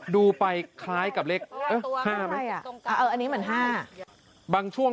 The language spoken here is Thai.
ดูกันเก่งจัง